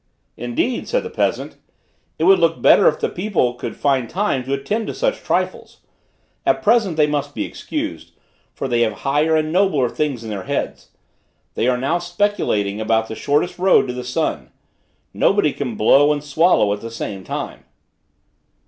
"Indeed," said the peasant, "It would look better if the people could find time to attend to such trifles. At present they must be excused, for they have higher and nobler things in their heads: they are now speculating about the shortest road to the sun. Nobody can blow and swallow at the same time."